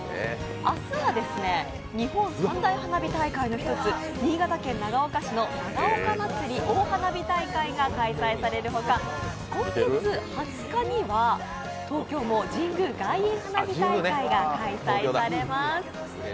明日は日本三大花火大会の一つ、新潟県長岡市の長岡まつり大花火大会が開催される他今月２０日には東京も神宮外苑花火大会が開催されます。